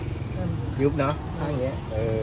มันยุบไหมยุบเนาะ